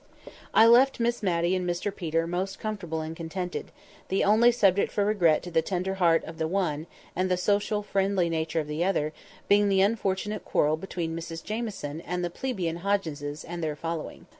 I left Miss Matty and Mr Peter most comfortable and contented; the only subject for regret to the tender heart of the one, and the social friendly nature of the other, being the unfortunate quarrel between Mrs Jamieson and the plebeian Hogginses and their following.